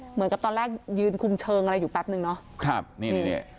เหมือนกับตอนแรกยืนคุมเชิงอะไรอยู่แป๊บนึงเนาะ